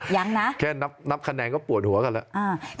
ยังนะแค่นับคะแนนก็ปวดหัวกันแล้ว